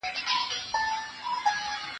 په څو چنده له قېمته د ټوكرانو